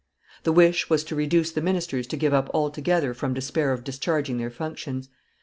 The wish was to reduce the ministers to give up altogether from despair of discharging their functions.